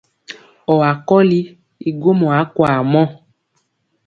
Ɔwa kɔli i gwomɔ akwaa mɔ.